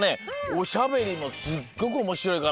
おしゃべりもすっごくおもしろいから。